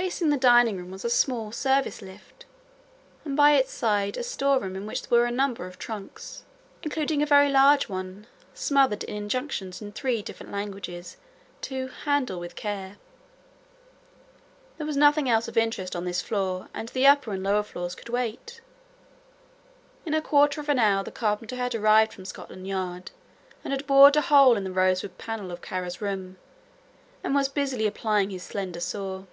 Facing the dining room was a small service lift and by its side a storeroom in which were a number of trunks, including a very large one smothered in injunctions in three different languages to "handle with care." There was nothing else of interest on this floor and the upper and lower floors could wait. In a quarter of an hour the carpenter had arrived from Scotland Yard, and had bored a hole in the rosewood panel of Kara's room and was busily applying his slender saw.